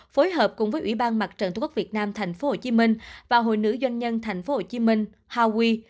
phối hợp cùng với ủy ban mặt trận tq việt nam tp hcm và hội nữ doanh nhân tp hcm howie